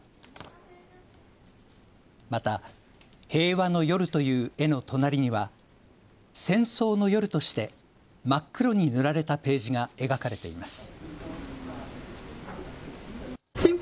また、へいわのよるという絵の隣にはせんそうのよるとして真っ黒に塗られたページが描かれています。